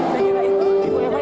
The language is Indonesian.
saya kira itu